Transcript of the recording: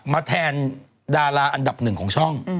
มาแทนดาราอันดับ๑ของช่อง